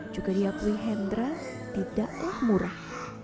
juga diakui hendra tidaklah murah